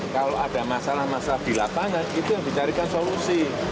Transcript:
kalau ada masalah masalah di lapangan itu yang dicarikan solusi